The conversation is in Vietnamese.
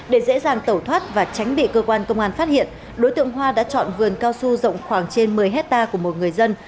để dễ dàng tẩu thoát và tránh bị cơ quan công an phát hiện đối tượng hoa đã chọn vườn cao su rộng khoảng trên một mươi hectare của một người dân